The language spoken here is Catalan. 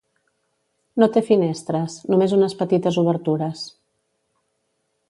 No té finestres, només unes petites obertures.